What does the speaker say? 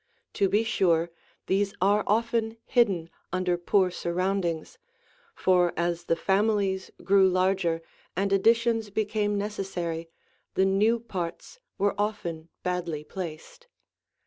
To be sure, these are often hidden under poor surroundings, for as the families grew larger and additions became necessary, the new parts were often badly placed.